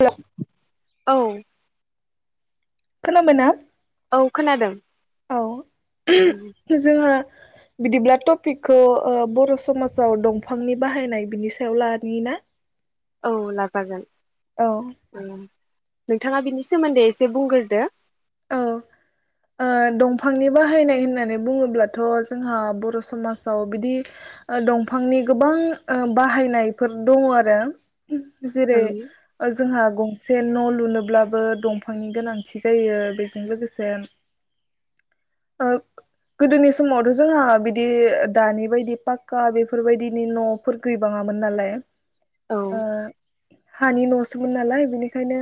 हेल' औ खोनाबायना औ खोनादों औ ओं जोंहा बिदिब्ला टपिकखौ बर समाजाव दंफांनि बाहायनाय बिनि सायाव लानि ना औ लाजागोन औ औ नोंथाङा बिनि सोमोन्दै एसे बुंग्रोदो औ ओ दंफांनि बाहायनाय होननानै बुङोब्लाथ जोंहा बर समाजाव बिदि दंफांनि गोबां ओ बाहायनायफोर दङ आरो जेरै ओं जोंहा गंसे से न' लुनोब्लाबो दंफांनि गोनांथि जायो। बेजों लोगोसे ओ गोदोनि समावथ' जोंहा बिदि दानि बायदि पाक्का बेफोरबायदिनि न'फोर गैबाङामोन नालाय औ ओ हानि न'सोमोन नालाय बिनिखायनो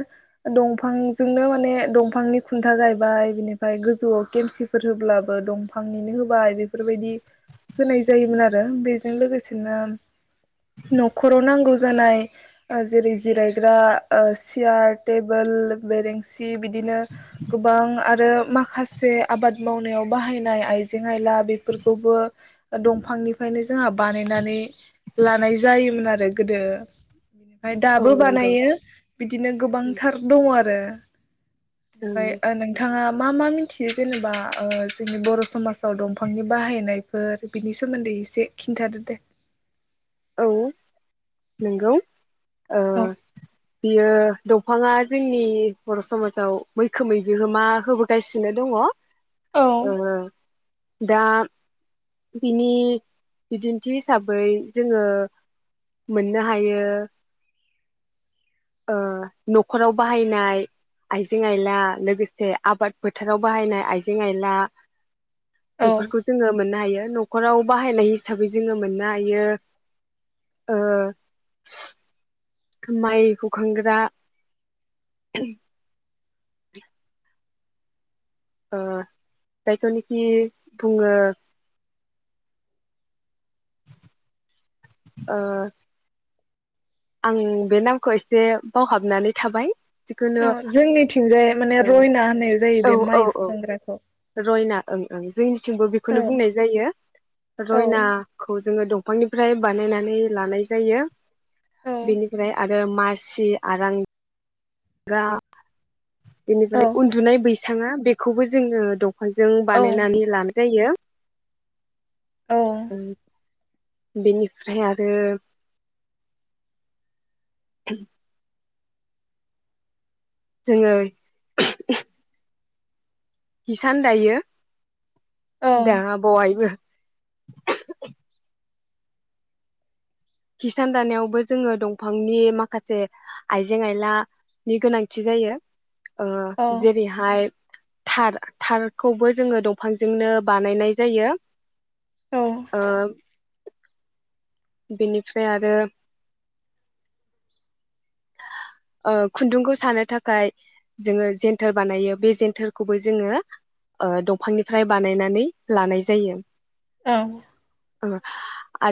दंफांजोंनो माने दंफांनि खुन्था गायबाय बिनिफ्राय गोजौआव खेमसिफोर होब्लाबो दंफांनिनो होबाय बेफोरबायदि होनाय जायोमोन आरो बेजों लोगोसेनो न'खराव नांगौ जानाय ओ जेरै ओ जिरायग्रा सियार टेबोल बेरेंसि बिदिनो गोबां आरो माखासे आबाद मावनायाव बाहायनाय आइजें आइला बेफोरखौबो दंफांनिफ्रायनो जोंहा बानायनानै लानाय जायोमोन आरो आरो गोदो बिनिफ्राय औ दाबो नंगौ बानायो बिदिनो गोबांथार दङ आरो ओं ओमफ्राय नोंथाङा मा मा मिथियो जेनेबा जोंनि बर' समाजाव दंफांनि बाहायनायफोर बिनि सोमोन्दै एसे खिन्थादो दे औ नंगौ ओ औ बियो द दंफाङा जोंनि बर' समाजाव मैखोमै बिहोमा होबोगासिनो दङ औ-औ औ दा बिनि बिदिन्थि हिसाबै जोङो मोननो हायो ओ नख'राव बाहायनाय आइजें आइला लोगोसे आबाद फोथाराव बाहायनाय आइजें आइला। औ बेफोरखौ जोङो मोननो हायो। नख'राव बाहायनाय हिसाबै जोङो मोननो हायो। ओह माइखौ हखांग्रा [unintelligible] ओ जायनोखि बुङो ओह आं बे नामखौ एसे बावहाबनानै थाबाय। जिखुनु अ जोंनिथिंजाय माने ओ रयना होननाय जायो औ बे औ माइ औ हुखांग्राखौ। रयना ओं ओं जोंनि थिंबो औ बेखौनो बुंनाय जायो औ रयनाखौ जोङो दं बैनिफ्राय बानायनानै लानाय जायो। औ बेनिफ्राय आरो मासि आरां गा। औ बेनिफ्राय उन्दुनाय बैसा बैसांआ बेखौबो जोङो दं फांजों औ बानायनानै लानाय जायो। औ [unintelligible] बेनिफ्राय आरो जोङो हिसान दायो। औ दा बयबो [inaudible] हिसान दानायावबो जोङो दंफांनि माखासे आइजें आयलानि गोनांथि जायो। ओ औ जेरैहाय थार थारखौबो जोङो दंफांजोंनो बानायनाय जायो। ओह बेनिफ्राय आरो ओ खुन्दुंखौ सानो थाखाय जोङो जेेनथोर बानायो बे जेेनथोरखौबो जोङो ओ दंफांनिफ्राय बानायनानै लानाय जायो। उम।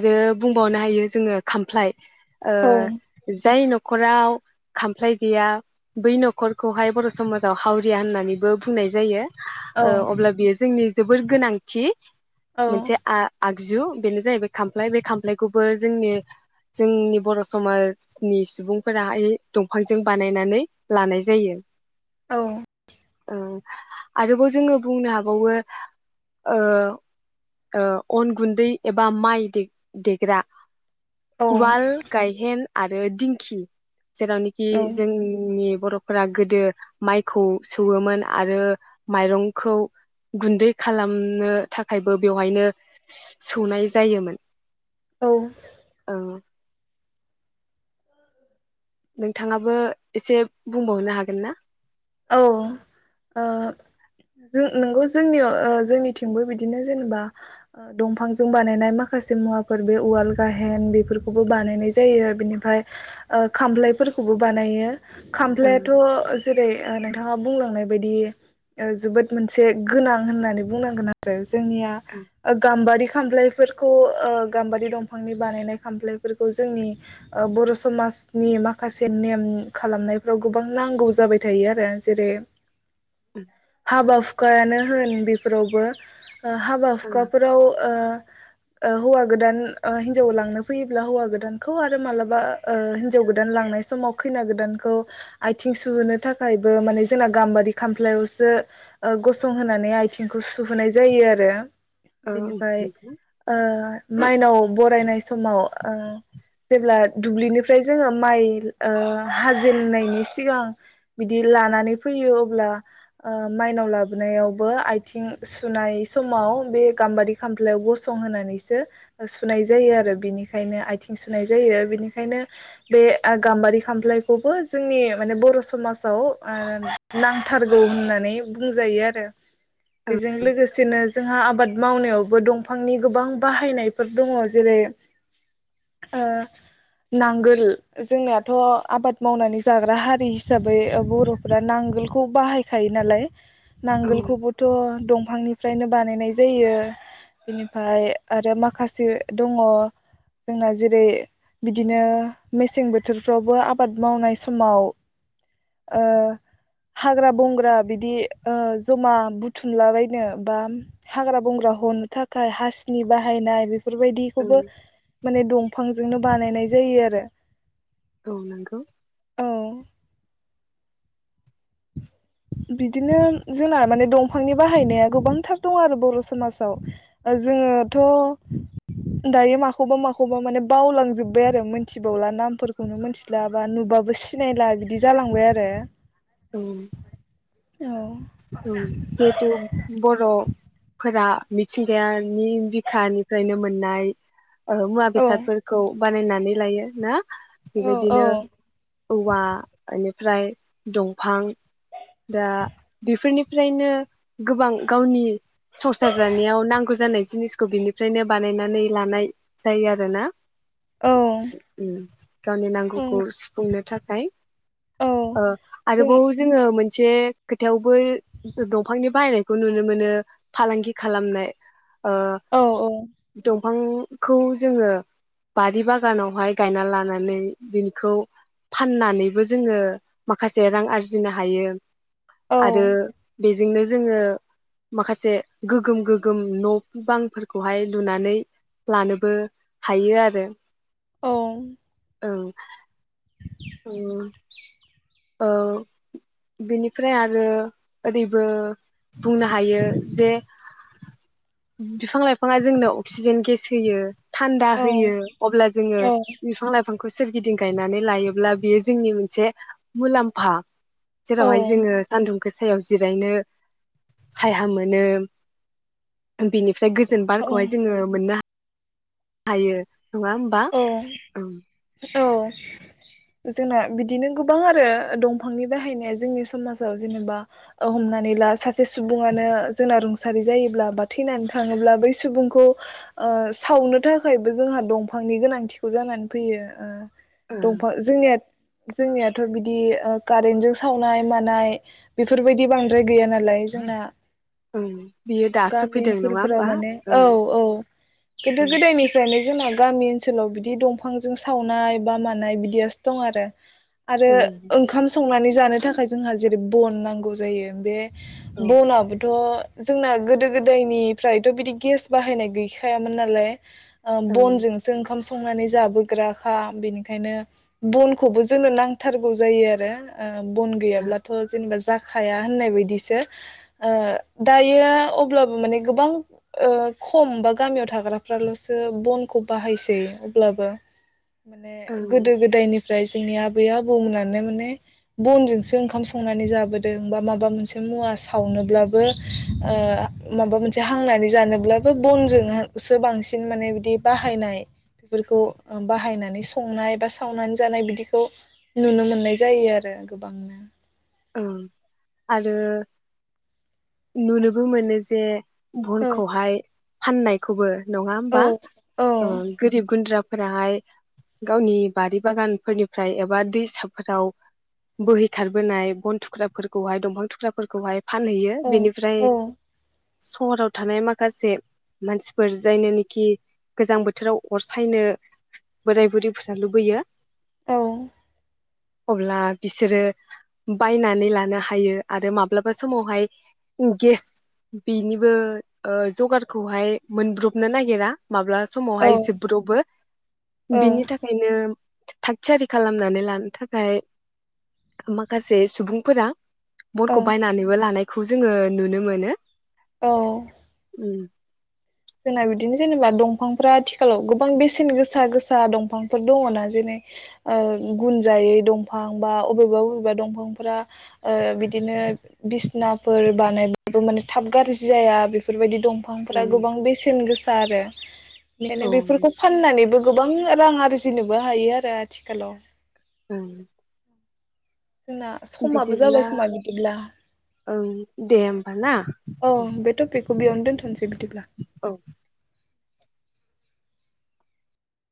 रो बुंबावनो हायो जोङो खामफ्लाय। ओ जाय नख खराव खामफ्लाय गैया बै नखरखौहाय बर' समाजाव हावरिया होननानैबो बुंनाय जायो। ओ अब्ला बियो जोंनि जोबोर गोनांथि। मोनसे आ आग जु बेनो जाहैबाय खामफ्लाय बे खामफ्लायखौबो जोंनि जोंनि बर समाजनि सुबुं। फोरा इ दंफांजों बानायनानै लानाय जायो। औ। ओ आरोबाव जोङो बुंनो हाबावो ओ ओ अन गुन्दै एबा माइ दे देग्रा। वाल गायहेन। आरो दिंखि। जेरावनोखि जोंनि बर। फोरा गोदो माइखौ सौवोमोन आरो माइरंखौ गुन्दै खालामनो थाखायबो बेवहायनो सौनाय जायोमोन। औ। नोंथाङाबो एसे बुंबावनो हागोन ना? औ जों नोंगौ जोंनियाव जोंनिथिंबो बिदिनो जेनेबा दंफांजों बानायनाय माखासे मुवाफोर बे उवाल गाहेन बेफोरखौबो बानायनाय जायो बिनिफ्राय खाम्लायफोरखौबो बानायो। ओं खामफ्लायथ जो। जेरै। नोंथाङा बुंलांनाय बायदि जोबोद मोनसे गोनां होननानै बुंनांगोन आरो। जोंनिया ओं गाम्बारि। खामफ्लायफोरखौ गाम्बारि दंफांनि बानायनाय खामफ्लायफोरखौ जोंनि बर समाजनि माखासे नेम खालामनायफ्राव गोबां नांगौ जाबाय। थायो आरो जेरै। [inaudible] हाबा हुखायानो होन बेफोरावबो। हाबा ओं हुखाफोराव। हौवा गोदान हिनजाव लांनो फैयोब्ला हौवा गोदानखौ आरो मालाबा हिनजाव गोदान लांनाय समाव खैना गोदानखौ आथिं सुहोनो। थाखायबो माने जोंना गाम्बारि खामफ्लायावसो गसंहोनानै आथिंखौ सुहोनाय जायो आरो। ओं बेनिफ्राय ओ। माइनाव बरायनाय समाव जेब्ला दुब्लिनिफ्राय जोङो माइ हाजेननायनि सिगां। बिदि लानानै फैयो अब्ला माइनाव लाबोनायावबो आथिं सुनाय समाव बे गाम्बारि खामफ्लायाव गसंहोनानैसो सुनाय जायो आरो बिनिखायनो आथिं सुनाय जायो बिनिखायनो बे गाम्बारि खामफ्लायखौबो जोंनि माने बर समाज। नांथारगौ होननानै बुंजायो आरो ओं बेजों लोगोसेनो जोंहा आबाद मावनायावबो दंफांनि गोबां बाहायनायफोर दङ जेरै नांगोल जोंनाथ आबाद मावनानै जाग्रा हारि हिसाबै। बै बर'फ्रा नांगोलखौ बाहाय खायो नालाय। औ नांगोलखौबोथ दं। दफांनिफ्रायनो बानायनाय जायो बेनिफ्राय आरो माखासे दङ जोंना जेरै बिदिनो मेसें बोथोरफ्रावबो आबाद मावनाय समाव। हाग्रा बंग्रा बिदि जमा बुथुमलाबायनो बा हाग्रा बंग्रा हनो थाखाय हासिनि बाहायनाय बे। बेफोर बायदिखौबो ओं माने दं बिफांजोंनो बानायनाय जायो आरो। औ नंगौ। औ बिदिनो जोंना माने दंफांनि बाहायनाया गोबांथार दं आरो बर समाजाव जोङोथ दायो माखौबा माखौबा माने बावलांजोब्बाय आरो मोनथिबावला नामफोरखौनो मोनथिला बा नुबाबो सिनायला बिदि जालांबाय आरो। ओ। औ। जिहेथु बर'फोरा। मिथिंगानि बिखानिफ्रायनो मोननाय। औ मुवा औ बेसादफोरखौ। बानायनानै लायो ना। औ औ बेबायदिनो औवा इनिफ ओमफ्राय दंफां दा बेफोर निफ्रायनो गोबां गावनि संसार जानायाव नांगौ जानाय जिनिसखौ बिनिफ्रायनो बानायनानै लानाय जायो आरोना। औ उम गावनि औ नांगौखौ सुफुंनो थाख फाय औ ओ जों आरोबाव जोङो मोन जे थेवबो दंफांनि बाहायनायखौ नुनो मोनो फालांगि खालामनाय। ओ औ औ दम बिफांखौ जोङो बारि बागानावहाय गायना लानानै बिनिखौ फाननानैबो जोङो माखासे रां आरजिनो हायो। आरो औ बेजोंनो जोङो माखासे गोगोम गोगोम न बांफोरखौहाय लुनानै लानोबो हायो आरो औ औ अ ओ बेनिफ्राय आरो ओरैबो बुंनो हायो जे बिफां लाइफाङा जोंनो अक्सिजेन गेस होयो। थान्दा औ होयो अब्ला जोङो औ बिफां लाइफां खौ सोरगिदिं गायनानै लायोब्ला बेयो जोंनि मोनसे मुलामफा औ जेरावहाय जोङो सान्दुंगोस सायाव जिरायनो साया मोनो बिनिफ ओमफ्राय गोजोन औ बारखौहाय जोङो मोननो हा हायो। होमबा औ ओं औ जोंना बिदिनो गोबां आरो दंफांनि बाहायनाया जोंनि समाजाव जेनेबा ओ हमनानै ला सासे सुबुङानो जोंना रुंसारि जायोब्ला बा थैनानै थाङोब्ला बै सुबुंखौ ओ सावनो थाखायबो जोंहा दं बिफांनि गोनांथिखौ जानानै फैयो ओ ओं दंफां जोंनियात जोंनियाथ बिदि कारेन्टजों सावनाय मानाय बेफोरबायदि बांद्राय गैया नालाय जोंना। ओं बियो दासो गामि फैदों नङा ओनसोलफोराव होमबा माने औ ओं औ खिन्थु गोदोनिफ्रायनो जोंना गामि ओनसोलाव बिदि दंफांजों सावनाय बा मानाय बिदियासो दं आरो। आरो ओं ओंखाम संनानैज जानो थाखाय जोंहा जेरै बन नांगौ जायो बे औ बनाबोथ' जोंना गोदो गोदायनिफ्रायथ बिदि गेस बाहायनाय गैखायामोन नालाय। ओं बनजोंसो ओंखाम सं संनानै जाबोग्राखा बिनिखायनो बनखौबो जोंनो नांथारगौ जायो आरो ओ बन दा गैयाब्लाथ' जेनेबा जाखाया होननाय बादिसो ओ दायो अब्लाबो माने गोबां ओ खम बा गामियाव थाग्राफ्राल'सो बनखौ बाहायसै अब्लाबो माने ओं गोदो गोदायनि ओमफ्राय जोंनि आबै आबौमोनानो माने बनजोंसो ओंखाम संनानै जाबोदों बा माबा मोनसे मुवा सावनोब्लाबो ओ माबा मोनसे हांनानै जानोब्लाबो बनजोंसो बांसिन माने बिदि बाहायनाय बेफोरखौ बाहायनानै संनाय बा सावनानै जानाय बिदिखौ नुनो मोननाय जायो आरो गोबांनो। आरो नुनोबो मोनो जे औ बनखौहाय फाननायखौबो नङा होमबा औ ओ औ गोरिब गुन्द्रा फोराहाय गावनि बारि बागानफोरनिफ्राय एबा दैसाफोराव बोहैखारबोनाय बन थुख्राफोरखौहाय दंफां थुख्राफोरखौहाय फानहैयो औ बेनिफ्राय सहराव थानाय माखासे मानसिफोर जायनोनेखि गोजां बोथोराव अर सायनो बोराय बुरैफोरा लुबैयो औ। अब्ला बिसोरो बायनानै लानो हायो आरो माब्लाबा समावहाय गेस बेनिबो ओ जगार खौहाय मोनब्र'बनो नागिरा माब्ला समावहाय जोबब्र'बो औ बिनि थाखायनो थाग थियारि खालामनानै लानो थाखाय मा माखासे सुबुंफोरा औ बनखौ बायनानैबो लानाय खौ जोङो नुनो मोनो औ। उम। जोंना बिदिनो जेनेबा दंफांफ्रा आथिखालाव गोबां बेसेन गोसा गोसा दंफांफोर दङना जेरै ओ गुनजायै दंफां बा अबेबा अबेबा दंफांफ्रा ओ बिदिनो बिसनाफोर बानायबाबो माने थाब गाज्रि जाया बेफोरबायदि दंफां फांफोरा उम गोबां बेसेन गोसा आरो औ [unintelligible] बेफोरखौ फाननानैबो गोबां रां आरजिनोबो हायो आरो आथिखालाव। ओम। जोंना समाबो जाबाय खोमा बिदिब्ला ओं दे औ होमबा ना औ बे टपिकखौ बेयावनो दोन्थ'सै बिदिब्ला। औ